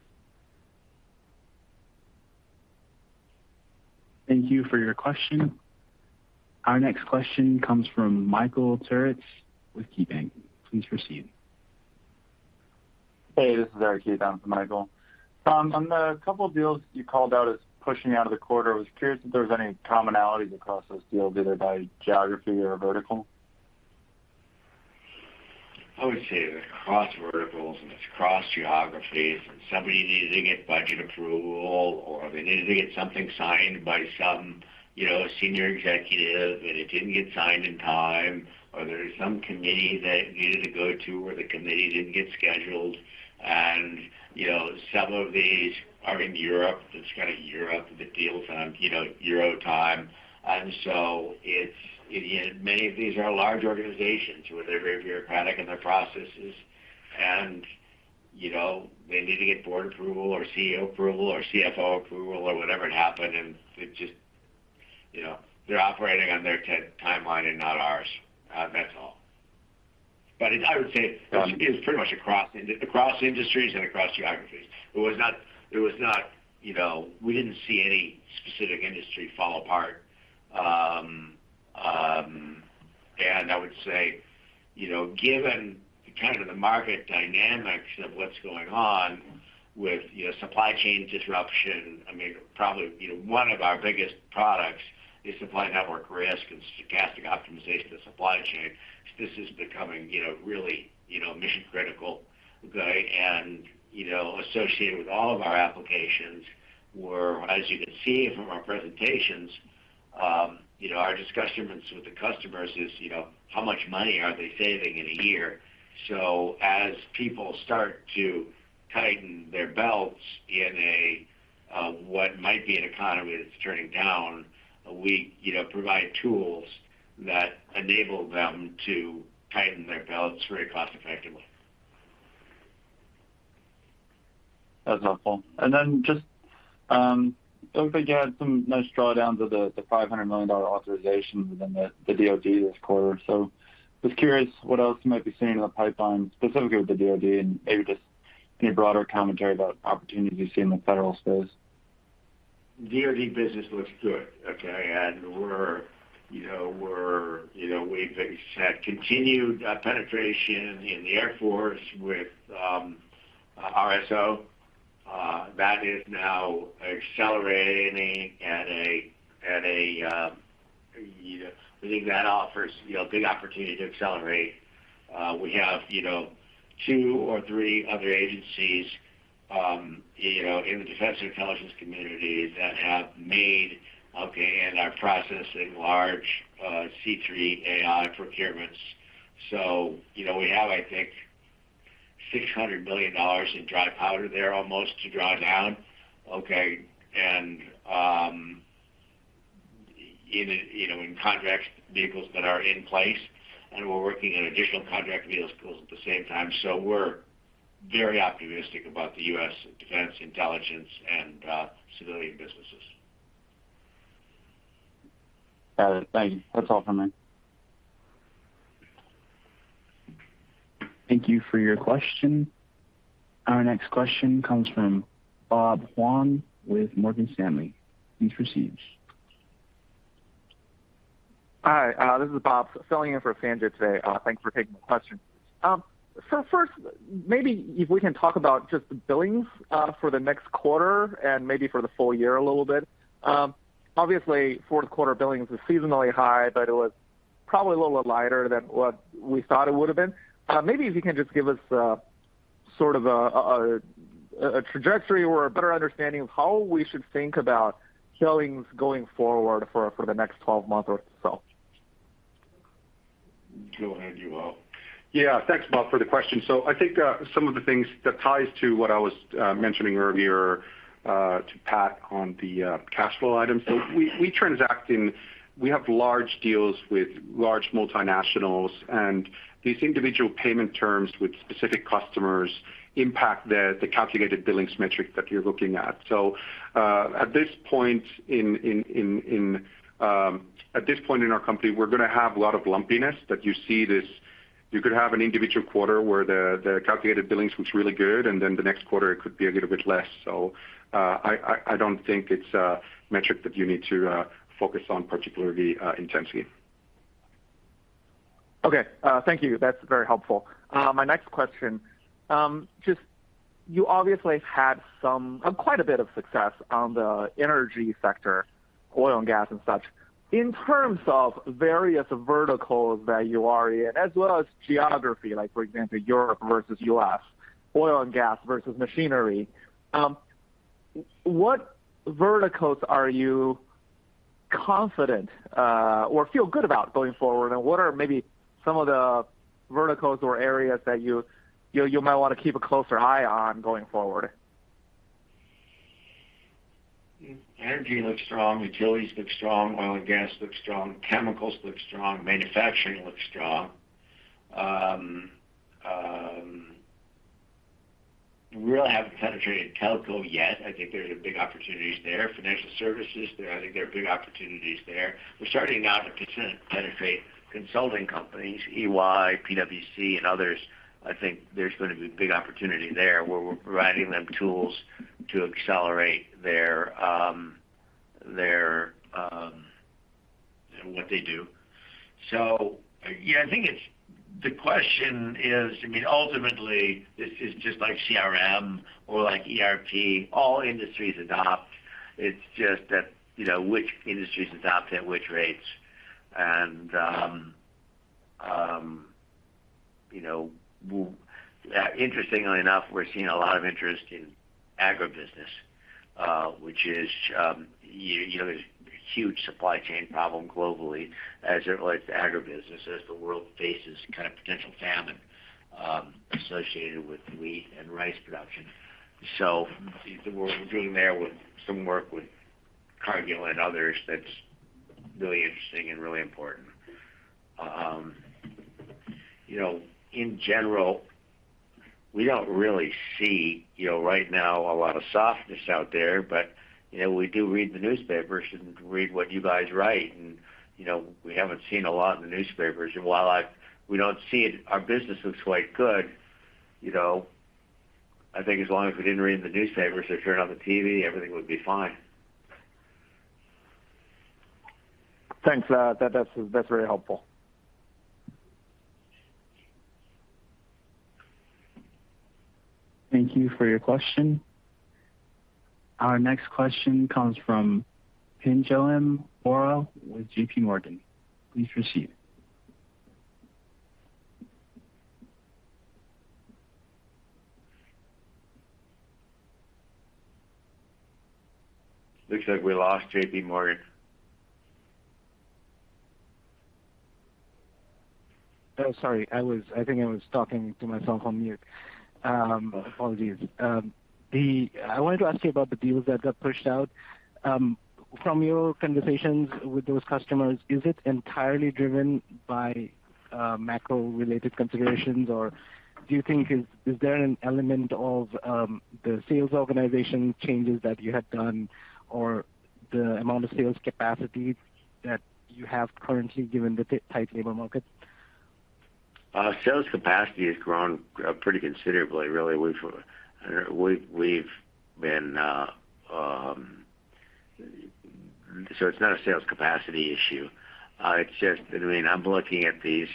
[SPEAKER 1] Thank you for your question. Our next question comes from Michael Turits with KeyBanc. Please proceed.
[SPEAKER 8] Hey, this is Eric Heath on for Michael. Tom, on the couple deals you called out as pushing out of the quarter, I was curious if there was any commonalities across those deals, either by geography or vertical.
[SPEAKER 3] I would say they're cross verticals, and it's cross geographies, and somebody needed to get budget approval, or they needed to get something signed by some, you know, senior executive, and it didn't get signed in time, or there was some committee that it needed to go to, or the committee didn't get scheduled. You know, some of these are in Europe. It's kind of Europe, the deal time, you know, Euro time. Many of these are large organizations where they're very bureaucratic in their processes and, you know, they need to get board approval or CEO approval or CFO approval or whatever it happened, and it just. You know, they're operating on their timeline and not ours. That's all. I would say it's pretty much across industries and across geographies. You know, we didn't see any specific industry fall apart. I would say, you know, given the kind of the market dynamics of what's going on with, you know, supply chain disruption, I mean, probably, you know, one of our biggest products is supply network risk and stochastic optimization of supply chain. This is becoming, you know, really, you know, mission-critical. Okay. You know, associated with all of our applications were, as you can see from our presentations, you know, our discussions with the customers is, you know, how much money are they saving in a year. As people start to tighten their belts in a, what might be an economy that's turning down, we, you know, provide tools that enable them to tighten their belts very cost effectively.
[SPEAKER 8] That's helpful. It looks like you had some nice drawdowns of the $500 million authorization within the DoD this quarter. Just curious what else you might be seeing in the pipeline, specifically with the DoD, and maybe just any broader commentary about opportunities you see in the federal space.
[SPEAKER 3] DoD business looks good. Okay. You know, we've had continued penetration in the Air Force with RSO. That is now accelerating at a. You know, I think that offers a big opportunity to accelerate. We have, you know, two or three other agencies, you know, in the defense intelligence community that have made, okay, and are processing large C3.ai procurements. You know, we have, I think, $600 million in dry powder there almost to draw down, okay, and in contract vehicles that are in place, and we're working on additional contract vehicles at the same time. We're very optimistic about the U.S. defense intelligence and civilian businesses.
[SPEAKER 8] Got it. Thank you. That's all from me.
[SPEAKER 1] Thank you for your question. Our next question comes from Bob Huang with Morgan Stanley. Please proceed.
[SPEAKER 9] Hi, this is Bob filling in for Sanjit today. Thanks for taking the question. First, maybe if we can talk about just the billings for the next quarter and maybe for the full year a little bit. Obviously, fourth quarter billings is seasonally high, but it was probably a little bit lighter than what we thought it would have been. Maybe if you can just give us sort of a trajectory or a better understanding of how we should think about billings going forward for the next 12 months or so.
[SPEAKER 3] Go ahead, Juho.
[SPEAKER 4] Yeah. Thanks, Bob, for the question. I think some of the things that ties to what I was mentioning earlier to Pat on the cash flow item. We transact in. We have large deals with large multinationals, and these individual payment terms with specific customers impact the calculated billings metric that you're looking at. At this point in our company, we're gonna have a lot of lumpiness that you see this. You could have an individual quarter where the calculated billings looks really good, and then the next quarter it could be a little bit less. I don't think it's a metric that you need to focus on particularly intensely.
[SPEAKER 9] Okay. Thank you. That's very helpful. My next question. Just you obviously have had some or quite a bit of success on the energy sector, oil and gas and such. In terms of various verticals that you are in, as well as geography, like for example, Europe versus U.S., oil and gas versus machinery, what verticals are you confident or feel good about going forward, and what are maybe some of the verticals or areas that you might wanna keep a closer eye on going forward?
[SPEAKER 3] Energy looks strong. Utilities look strong. Oil and gas look strong. Chemicals look strong. Manufacturing looks strong. We really haven't penetrated telco yet. I think there's big opportunities there. Financial services there, I think there are big opportunities there. We're starting now to penetrate consulting companies, EY, PwC, and others. I think there's gonna be big opportunity there, where we're providing them tools to accelerate their what they do. Yeah, I think it's. The question is, I mean, ultimately, this is just like CRM or like ERP, all industries adopt. It's just that, you know, which industries adopt at which rates. You know, interestingly enough, we're seeing a lot of interest in agribusiness, which is, you know, there's huge supply chain problem globally as it relates to agribusiness as the world faces kind of potential famine associated with wheat and rice production. We're doing there with some work with Cargill and others that's really interesting and really important. You know, in general, we don't really see, you know, right now a lot of softness out there. We do read the newspapers and read what you guys write and, you know, we haven't seen a lot in the newspapers. We don't see it, our business looks quite good. You know, I think as long as we didn't read the newspapers or turn on the TV, everything would be fine.
[SPEAKER 9] Thanks. That's very helpful.
[SPEAKER 1] Thank you for your question. Our next question comes from Pinjalim Bora with JPMorgan. Please proceed.
[SPEAKER 3] Looks like we lost JPMorgan.
[SPEAKER 10] Oh, sorry, I think I was talking to myself on mute. Apologies. I wanted to ask you about the deals that got pushed out. From your conversations with those customers, is it entirely driven by macro-related considerations? Or do you think, is there an element of the sales organization changes that you had done or the amount of sales capacity that you have currently given the tight labor market?
[SPEAKER 3] Our sales capacity has grown pretty considerably really. It's not a sales capacity issue. It's just, I mean, I'm looking at these,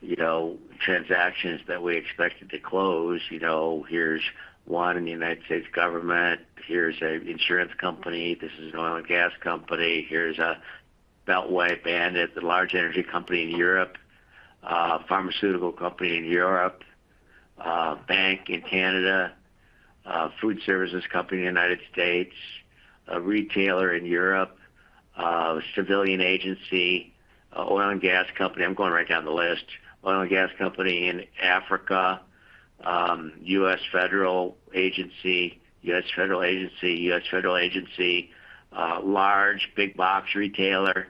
[SPEAKER 3] you know, transactions that we expected to close. You know, here's one in the United States government. Here's an insurance company. This is an oil and gas company. Here's a beltway bandit, a large energy company in Europe, pharmaceutical company in Europe, bank in Canada, food services company in the United States, a retailer in Europe, civilian agency, oil and gas company. I'm going right down the list. Oil and gas company in Africa, U.S. federal agency, U.S. federal agency, U.S. federal agency, large big box retailer,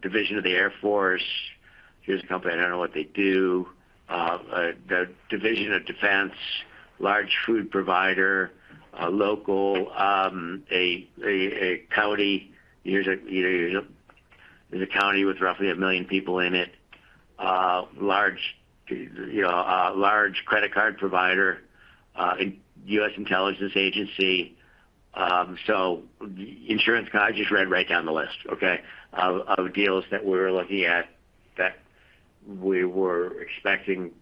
[SPEAKER 3] division of the Air Force. Here's a company I don't know what they do. The Department of Defense, large food provider, a local county. Here's, you know, there's the County of San Mateo with roughly 1 million people in it. Large, you know, a large credit card provider, U.S. intelligence agency. Insurance. I just read right down the list, okay, of deals that we were looking at that we were expecting.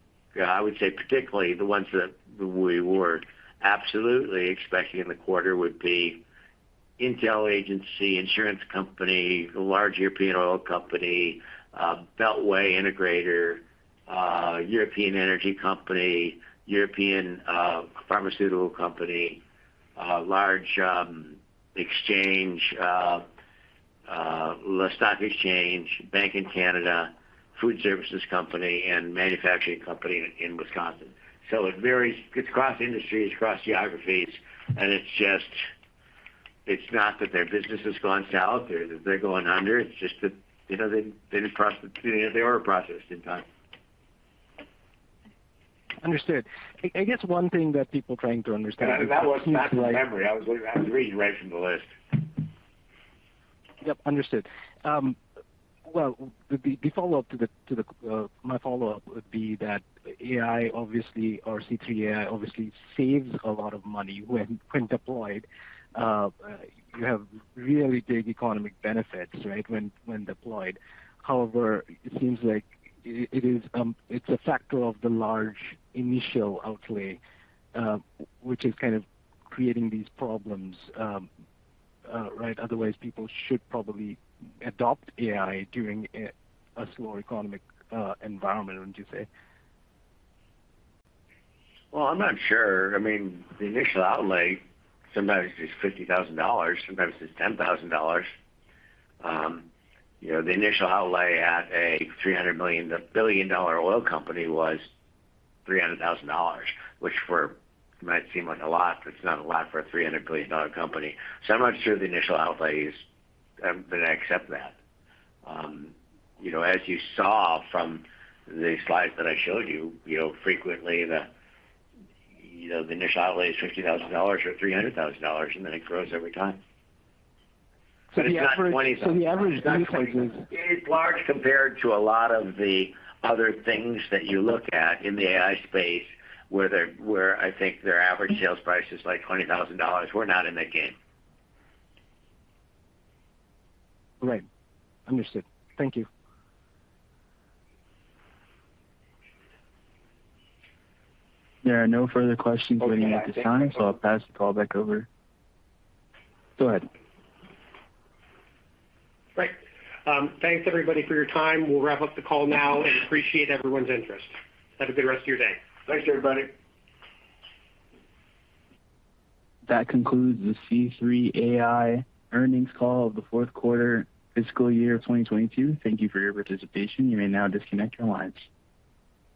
[SPEAKER 3] I would say particularly the ones that we were absolutely expecting in the quarter would be intel agency, insurance company, a large European oil company, beltway integrator, European energy company, European pharmaceutical company, large exchange, stock exchange, bank in Canada, food services company, and manufacturing company in Wisconsin. It varies. It's across industries, across geographies, and it's just. It's not that their business has gone south or that they're going under. It's just that, you know, they weren't processed in time.
[SPEAKER 10] Understood. I guess one thing that people trying to understand.
[SPEAKER 3] That was not from memory. I was reading right from the list.
[SPEAKER 10] Yep, understood. Well, the follow-up to my follow-up would be that AI obviously or C3 AI obviously saves a lot of money when deployed. You have really big economic benefits, right, when deployed. However, it seems like it is a factor of the large initial outlay, which is kind of creating these problems, right? Otherwise, people should probably adopt AI during a slow economic environment, wouldn't you say?
[SPEAKER 3] Well, I'm not sure. I mean, the initial outlay sometimes is $50,000, sometimes it's $10,000. You know, the initial outlay at a $300 million-$1 billion-dollar oil company was $300,000, which might seem like a lot, but it's not a lot for a $300 billion-dollar company. I'm not sure the initial outlay is. I accept that. You know, as you saw from the slides that I showed you know, frequently the initial outlay is $50,000 or $300,000, and then it grows every time.
[SPEAKER 10] So the average-
[SPEAKER 3] It's not $20,000.
[SPEAKER 10] The average entry point is
[SPEAKER 3] It's large compared to a lot of the other things that you look at in the AI space where I think their average sales price is, like, $20,000. We're not in that game.
[SPEAKER 10] Right. Understood. Thank you.
[SPEAKER 1] There are no further questions waiting at this time, so I'll pass the call back over. Go ahead.
[SPEAKER 2] Right. Thanks everybody for your time. We'll wrap up the call now and appreciate everyone's interest. Have a good rest of your day.
[SPEAKER 3] Thanks, everybody.
[SPEAKER 1] That concludes the C3.ai earnings call of the fourth quarter fiscal year 2022. Thank you for your participation. You may now disconnect your lines.